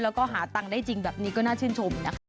แล้วก็หาตังค์ได้จริงแบบนี้ก็น่าชื่นชมนะคะ